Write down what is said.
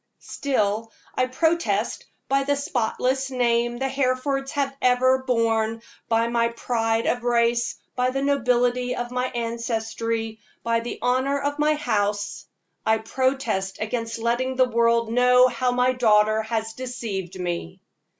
Still, I protest, by the spotless name the Herefords have ever borne, by my pride of race, by the nobility of my ancestry, by the honor of my house I protest against letting the world know how my daughter has deceived me.